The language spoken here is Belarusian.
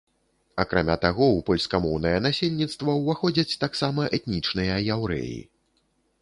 Акрамя таго, у польскамоўнае насельніцтва ўваходзяць таксама этнічныя яўрэі.